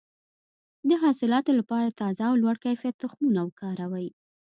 د حاصلاتو لپاره تازه او لوړ کیفیت تخمونه وکاروئ.